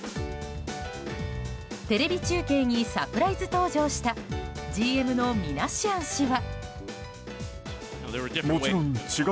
テレビ中継にサプライズ登場したＧＭのミナシアン氏は。